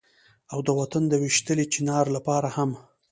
او د وطن د ويشتلي چينار لپاره هم